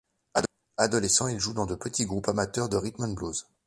Adolescent, il joue dans de petits groupes amateurs de rythm'n blues.